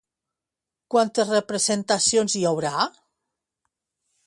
Quantes representacions hi haurà?